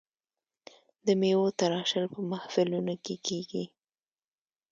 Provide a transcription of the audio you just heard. د میوو تراشل په محفلونو کې کیږي.